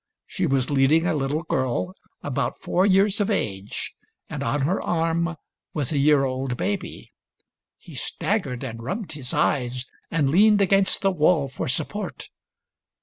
She was leading a little girl about four years of age, and on her arm was a year old baby. He staggered and rubbed his eyes, and leaned against the wall for support.